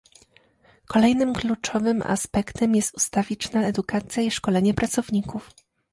Kolejnym kluczowym aspektem jest ustawiczna edukacja i szkolenie pracowników